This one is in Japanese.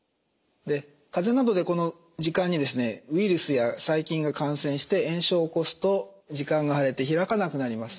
風邪などでこの耳管にウイルスや細菌が感染して炎症を起こすと耳管が腫れて開かなくなります。